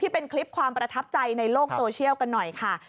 เป็นคลิปความประทับใจในโลกโซเชียลกันหน่อยค่ะ